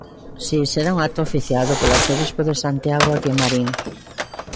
Si, será un acto oficiado polo arcebispo de Santiago aquí en Marín.